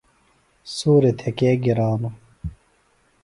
سُوریۡ تھےۡ کے گرانوۡ؟